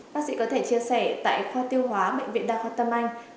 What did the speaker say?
bác sĩ có thể chia sẻ tại kho tiêu hóa bệnh viện đa kho tâm anh